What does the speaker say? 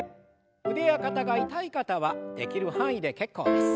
腕や肩が痛い方はできる範囲で結構です。